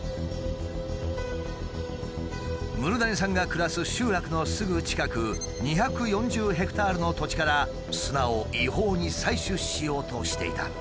ムルダニさんが暮らす集落のすぐ近く２４０ｈａの土地から砂を違法に採取しようとしていた。